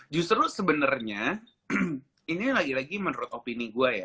justru sebenernya ini lagi lagi menurut opini gua ya